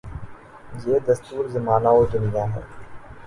یہ دستور زمانہ و دنیاہے۔